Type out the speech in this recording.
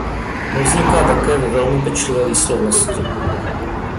Nevzniká také ve velmi pečlivé výslovnosti.